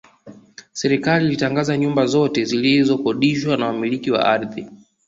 Serikali ilitangaza nyumba zote zilizokodishwa na Wamiliki wa ardhi